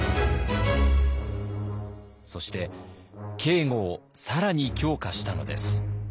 そして警固を更に強化したのです。